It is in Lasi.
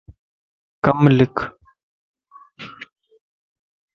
ڪم لک